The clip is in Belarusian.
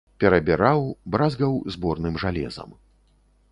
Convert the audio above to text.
Перабіраў, бразгаў зборным жалезам.